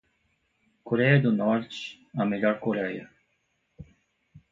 Coreia do Norte, a melhor Coreia